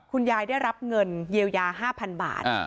คุณยายได้รับเงินเยียวยาห้าพันบาทอ่า